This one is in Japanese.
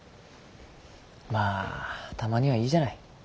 まあたまにはいいじゃない。